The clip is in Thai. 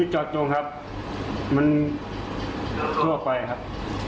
จอดตรงครับมันทั่วไปครับ